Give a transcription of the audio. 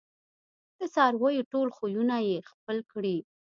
د څارویو ټول خویونه یې خپل کړي